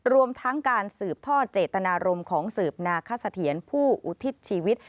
รวมทั้งการสืบท่อเจตนารมณ์ของสืบนาคสะเทียนผู้อุทิศชีวิต